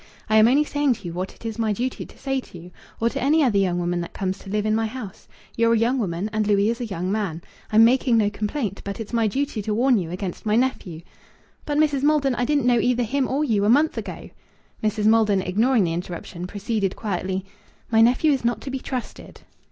"I am only saying to you what it is my duty to say to you or to any other young woman that comes to live in my house. You're a young woman, and Louis is a young man. I'm making no complaint. But it's my duty to warn you against my nephew." "But, Mrs. Maldon, I didn't know either him or you a month ago!" Mrs. Maldon, ignoring the interruption, proceeded quietly "My nephew is not to be trusted."